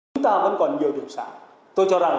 chúng ta vẫn còn nhiều điều sáng